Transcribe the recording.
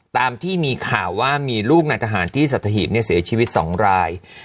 ตามที่มีข่าวว่ามีลูกนายทหารที่สัตหีบเสียชีวิต๒ราย